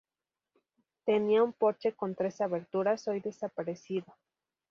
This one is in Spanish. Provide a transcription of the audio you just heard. Tenía un porche con tres aberturas, hoy desaparecido.